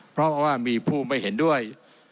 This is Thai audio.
เพราะว่ามีผู้ไม่เห็นด้วย